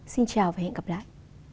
xin chào và hẹn gặp lại